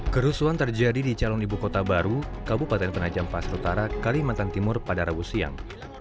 kerusuhan terjadi di calon ibu kota baru kabupaten penajam pasir utara kalimantan timur pada rabu siang